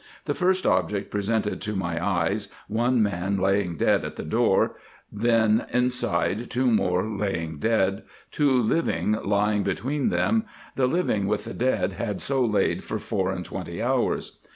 The first object presented [to] my eyes, one man laying dead at the door ; the [n] inside two more laying dead, two living lying between them ; the living with the dead had so laid for four and twenty hours.